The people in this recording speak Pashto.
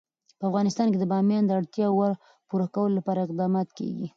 په افغانستان کې د بامیان د اړتیاوو پوره کولو لپاره اقدامات کېږي.